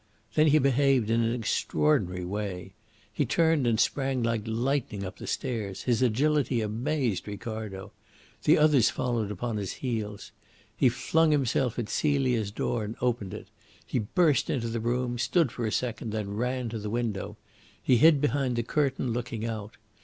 Then he behaved in an extraordinary way. He turned and sprang like lightning up the stairs. His agility amazed Ricardo. The others followed upon his heels. He flung himself at Celia's door and opened it He burst into the room, stood for a second, then ran to the window. He hid behind the curtain, looking out.